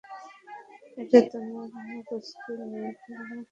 এটা তোমার মগজকে নিয়ে খেলা করে!